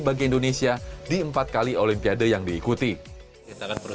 eko akan menorehkan prestasi tersendiri dengan mampu terus menyembangkan medali